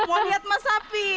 mau lihat masapi